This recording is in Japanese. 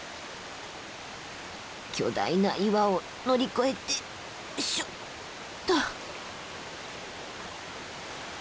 巨大な岩を乗り越えてよいしょっと。